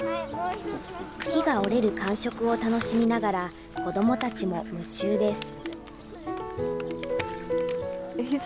茎が折れる感触を楽しみながら、子どもたちも夢中です。